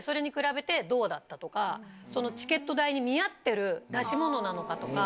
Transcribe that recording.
チケット代に見合ってる出し物なのかとか。